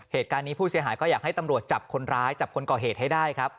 เหตุการณ์นี้ผู้เสียหายก็อยากให้ตำรวจจับคนร้ายจับคนก่อเหตุให้ได้ครับ